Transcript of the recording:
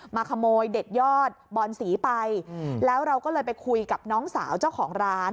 มาขโมยเด็ดยอดบอนศรีไปแล้วเราก็เลยไปคุยกับน้องสาวเจ้าของร้าน